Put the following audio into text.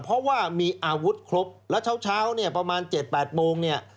เพราะว่ามีอาวุธครบแล้วเช้าเนี่ยประมาณ๗๘โมงเนี่ย